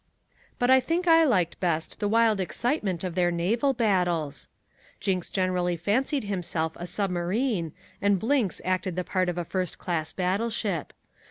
But I think I liked best the wild excitement of their naval battles. Jinks generally fancied himself a submarine and Blinks acted the part of a first class battleship.